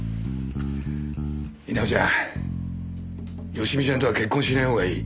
稲尾ちゃん佳美ちゃんとは結婚しないほうがいい。